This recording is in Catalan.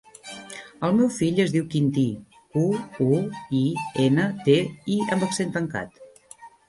El meu fill es diu Quintí: cu, u, i, ena, te, i amb accent tancat.